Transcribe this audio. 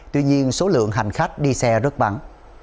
tuy nhiên số lượng hành khách đi xe rất vắng